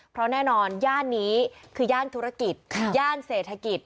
เพราะแน่นอนย่านนี้คือย่านธุรกิจย่านเศรษฐกิจ